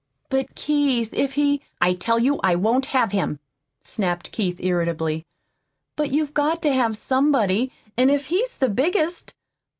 "But, Keith, if he " "I tell you I won't have him," snapped Keith irritably. "But you've got to have somebody, an' if he's the biggest!"